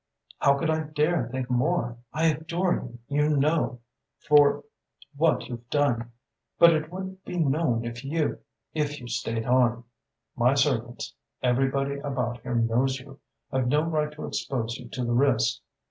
"'How could I dare think more? I adore you, you know, for what you've done! But it would be known if you if you stayed on. My servants everybody about here knows you. I've no right to expose you to the risk.